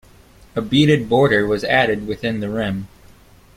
A beaded border was added within the rim.